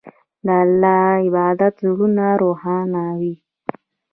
د الله عبادت زړونه روښانوي.